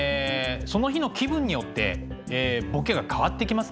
その日の気分によってボケが変わってきますね。